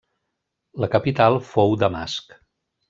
La capital fou Damasc.